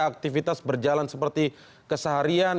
aktivitas berjalan seperti keseharian